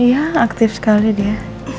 iya aktif sekali dia